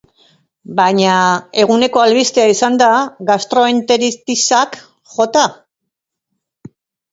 Baina, eguneko albistea izan da gastroenteritisak jota.